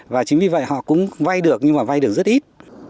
và chính vì vậy họ cũng vay được nhưng mà vay được rất ít